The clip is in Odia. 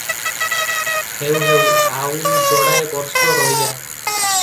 ହେଉ ହେଉ ଆଉ ଯୋଡ଼ାଏ ବର୍ଷ ରହିଯା?